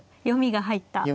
読みが入った。